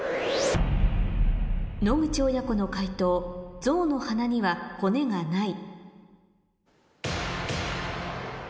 野口親子の解答「ゾウのはなには骨がない」